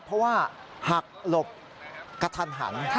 เพราะว่าหักหลบกระทันหัน